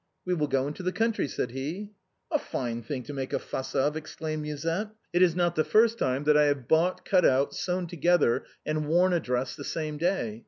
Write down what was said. " We will go into the country," said he. " A fine thing to make a fuss of," exclaimed Musette. " It is not the first time that I have bought, cut out, sewn together, and worn a dress the same day.